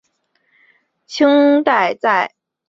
清代在区内设王赘步。